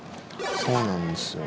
そうなんですよね。